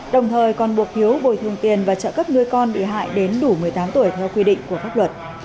đồng thời còn buộc hiếu bồi thường tiền và trợ cấp nuôi con bị hại đến đủ một mươi tám tuổi theo quy định của pháp luật